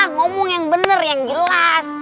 ngomong yang benar yang jelas